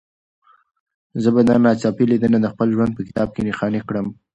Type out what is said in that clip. زه به دا ناڅاپي لیدنه د خپل ژوند په کتاب کې نښاني کړم.